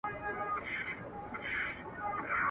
په دا منځ كي باندي تېر سول لس كلونه.